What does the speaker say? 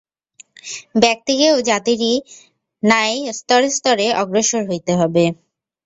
ব্যক্তিকেও জাতিরই ন্যায় স্তরে স্তরে অগ্রসর হইতে হইবে।